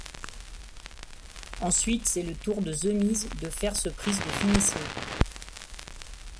Ensuite c'est le tour de The Miz de faire ce prise de finition.